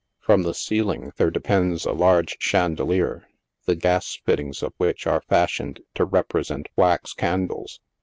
From the ceiling there depends a large chandelier, the ga3 fitting3 of which are fashioned to repre sent wax candles.